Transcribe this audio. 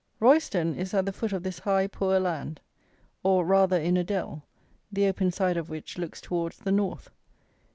Royston is at the foot of this high poor land; or, rather in a dell, the open side of which looks towards the North.